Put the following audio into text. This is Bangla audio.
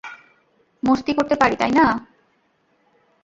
মাস্তি করতে পারি, তাই না?